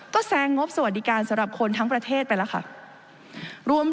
ก็แซงงบสวัสดิการสำหรับคนทั้งประเทศไปแล้วค่ะ